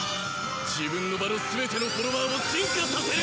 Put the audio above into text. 自分の場のすべてのフォロワーを進化させる！